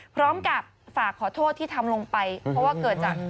พร้อมกับฝากขอโทษที่ทำลงไปเพราะว่าเกิดจาก